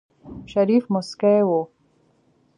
شريف موسکی و.